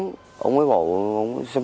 thế ông ấy mình mới phi xuống